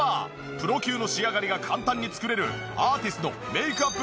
プロ級の仕上がりが簡単に作れるアーティスのメイクアップ